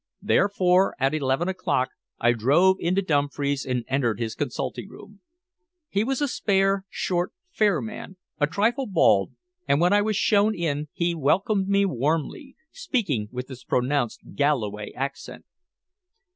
Therefore at eleven o'clock I drove into Dumfries and entered his consulting room. He was a spare, short, fair man, a trifle bald, and when I was shown in he welcomed me warmly, speaking with his pronounced Galloway accent.